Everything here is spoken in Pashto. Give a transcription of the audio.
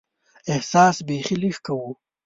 احساس بیخي لږ کوو.